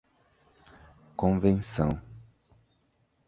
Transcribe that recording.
convenção